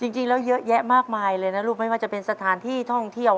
จริงแล้วเยอะแยะมากมายเลยนะลูกไม่ว่าจะเป็นสถานที่ท่องเที่ยว